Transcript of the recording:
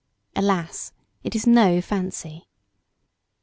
Alas! it is no fancy.